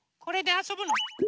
これであそぶの？